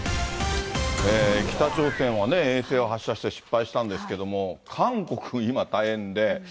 北朝鮮は衛星を発射して失敗したんですけれども、韓国、今大変で。